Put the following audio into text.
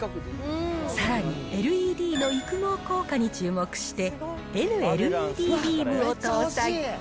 さらに、ＬＥＤの育毛効果に注目して、ＮーＬＥＤビームを搭載。